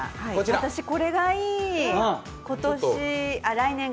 私これがいい。